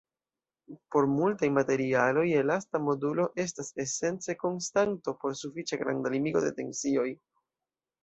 Por multaj materialoj, elasta modulo estas esence konstanto por sufiĉe granda limigo de tensioj.